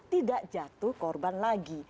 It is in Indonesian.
tidak jatuh korban lagi